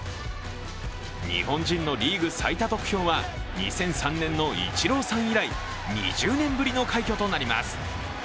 日本人のリーグ最多得票は２００３年のイチローさん以来、２０年ぶりの快挙となります。